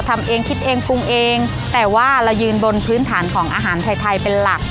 ทำเองคิดเองปรุงเองแต่ว่าเรายืนบนพื้นฐานของอาหารไทยเป็นหลัก